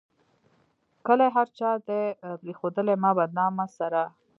کلي هر چا دې پريښودلي ما بدنامه سره